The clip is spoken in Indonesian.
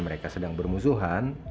mereka sedang bermusuhan